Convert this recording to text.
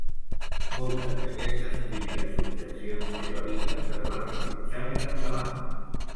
Moltes d'aquestes primeres objeccions teòriques es van rebutjar més endavant.